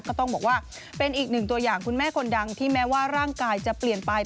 ก็ต้องบอกว่าเป็นอีกหนึ่งตัวอย่างคุณแม่คนดังที่แม้ว่าร่างกายจะเปลี่ยนไป